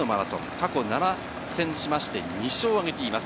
過去７戦しまして、２勝を挙げています。